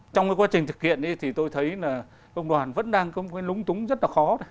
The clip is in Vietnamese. trong cái quá trình thực hiện thì tôi thấy là công đoàn vẫn đang có một cái lúng túng rất là khó